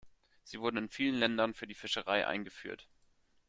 Sie wurden in vielen Ländern für die Fischerei eingeführt.